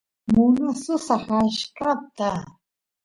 munasusaq achkata